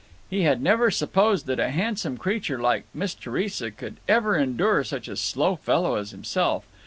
He had never supposed that a handsome creature like Miss Theresa could ever endure such a "slow fellow" as himself.